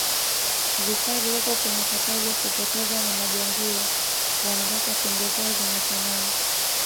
vifaru wako kwenye hatari ya kupotezwa na majangili wanataka pembe zao zenye thamani